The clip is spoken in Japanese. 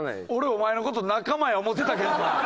俺お前の事仲間や思うてたけどな。